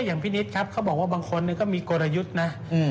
อย่างพี่นิดครับเขาบอกว่าบางคนก็มีกลยุทธ์นะ